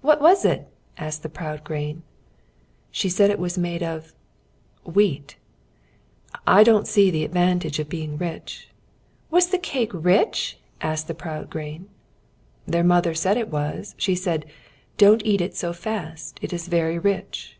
"What was it?" asked the proud grain. "She said it was made of wheat! I don't see the advantage of being rich " "Was the cake rich?" asked the proud grain. "Their mother said it was. She said, 'Don't eat it so fast it is very rich.'"